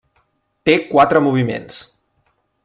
Té quatre moviments.